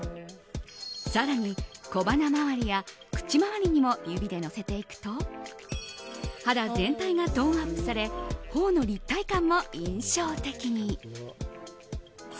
更に小鼻周りや口周りにも指でのせていくと肌全体がトーンアップされ頬の立体感も印象的に。